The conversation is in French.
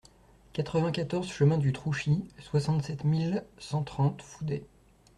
quatre-vingt-quatorze chemin du Trouchy, soixante-sept mille cent trente Fouday